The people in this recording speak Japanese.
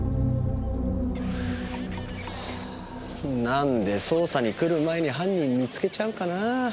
何で捜査に来る前に犯人見つけちゃうかなぁ。